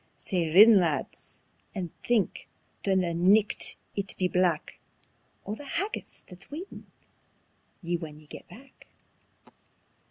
Sae rin, lads, and think, though the nicht it be black, O' the haggis that's waitin' ye when ye get back."